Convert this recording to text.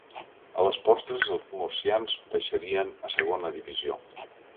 A les postres els murcians baixarien a Segona Divisió.